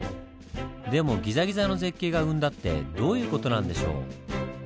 でもギザギザの絶景が生んだってどういう事なんでしょう？